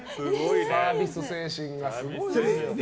サービス精神がすごいね。